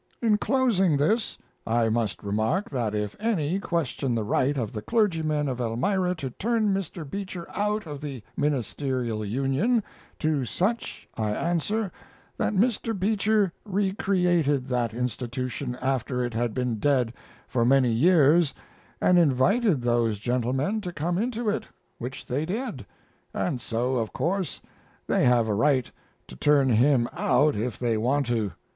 In closing this I must remark that if any question the right of the clergymen of Elmira to turn Mr. Beecher out of the Ministerial Union, to such I answer that Mr. Beecher recreated that institution after it had been dead for many years, and invited those gentlemen to come into it, which they did, and so of course they have a right to turn him out if they want to.